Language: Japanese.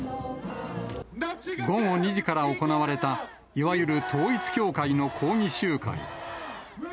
午後２時から行われた、いわゆる統一教会の抗議集会。